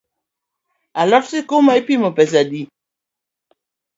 A lot sikuma ipimo pesa adi?